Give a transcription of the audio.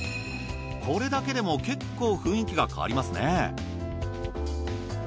これだけでも結構雰囲気が変わりますね。